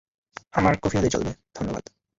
আমার কফি হলেই চলবে, ধন্যবাদ।